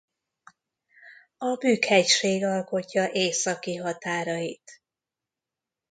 A Bükk hegység alkotja északi határait.